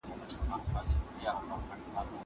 زه کتابتون ته کتاب وړلی دی.